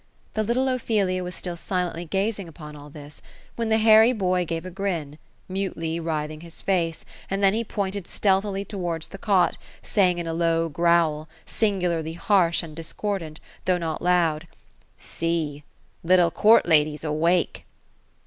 The little Ophelia was still silent ly gazing upon all this ; when the hairy boy gave a grin — mutely writh ing his face ; and then he pointed 8te<althily towards the cot. saying in a low growl, singularly harsh and discordant, though not loud :—'' See ; little court lady's awake."